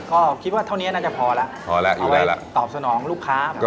ก็คิดว่าเท่านี้น่าจะพอแล้วเอาไว้ตอบสนองลูกค้าอยู่ได้แล้ว